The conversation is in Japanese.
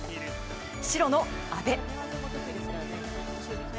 白の阿部。